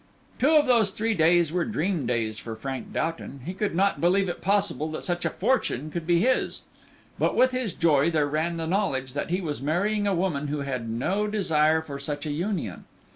Two of those three days were dream days for Frank Doughton; he could not believe it possible that such a fortune could be his. But with his joy there ran the knowledge that he was marrying a woman who had no desire for such a union.